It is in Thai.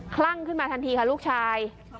คลั่งขึ้นมาทันทีค่ะลูกชาย